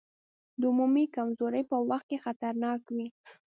د عمومي کمزورۍ په وخت کې خطرناک وي.